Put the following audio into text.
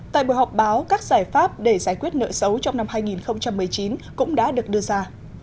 tại buổi họp báo các giải pháp để giải quyết nợ xấu trong năm hai nghìn một mươi chín cũng đã được đưa ra